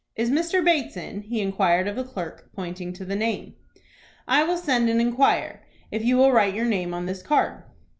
"Is Mr. Bates in?" he inquired of the clerk, pointing to the name. "I will send and inquire, if you will write your name on this card."